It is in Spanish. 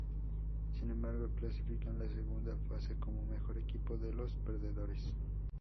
Sin embargo, clasifica en la segunda fase como mejor equipo de los perdedores.